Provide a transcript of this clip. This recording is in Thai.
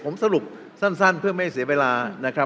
ผมสรุปสั้นเพื่อไม่เสียเวลา